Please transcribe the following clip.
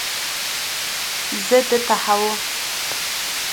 ضد تهوع